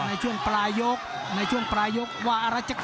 ในช่วงปลายยกในช่วงปลายยกว่าอะไรจะ